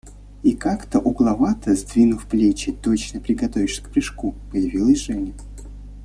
И, как-то угловато сдвинув плечи, точно приготовившись к прыжку, появилась Женя.